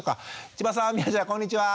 千葉さんみあちゃんこんにちは！